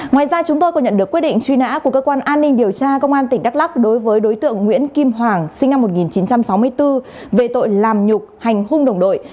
ngoài ra chúng tôi còn nhận được quyết định truy nã của cơ quan an ninh điều tra công an tỉnh đắk lắc đối với đối tượng nguyễn kim hoàng sinh năm một nghìn chín trăm sáu mươi bốn về tội làm nhục hành hung đồng đội